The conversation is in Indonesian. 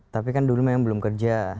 tapi kan dulu memang belum kerja